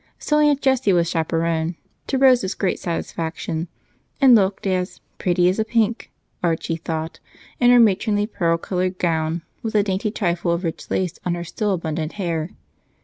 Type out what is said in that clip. So Aunt Jessie was chaperon, to Rose's great satisfaction, and looked as "pretty as a pink," Archie thought, in her matronly pearl colored gown with a dainty trifle of rich lace on her still abundant hair.